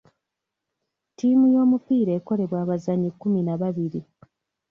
Ttiimu y'omupiira ekolebwa abazannyi kkumi na babiri.